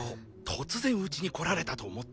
突然うちに来られたと思ったら。